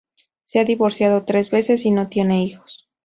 Se ha divorciado tres veces y no tiene hijos.